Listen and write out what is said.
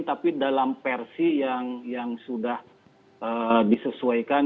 tapi dalam versi yang sudah disesuaikan